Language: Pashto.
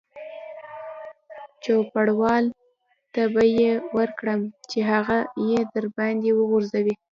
چوپړوال ته به یې ورکړم چې هغه یې دباندې وغورځوي.